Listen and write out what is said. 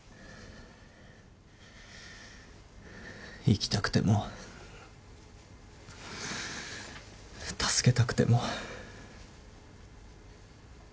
生きたくても助けたくても。